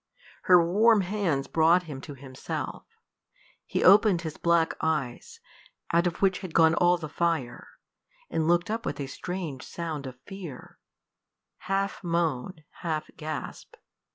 Her warm hands brought him to himself. He opened his black eyes, out of which had gone all the fire, and looked up with a strange sound of fear half moan, half gasp.